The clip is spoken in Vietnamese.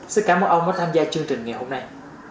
xin cảm ơn ông đã tham gia chương trình ngày hôm nay